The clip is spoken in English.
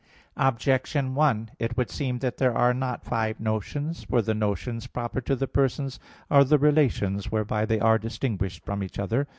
Objection 1: It would seem that there are not five notions. For the notions proper to the persons are the relations whereby they are distinguished from each other.